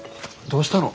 どうしたの？